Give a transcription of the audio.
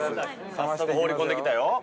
◆早速、放り込んできたよ。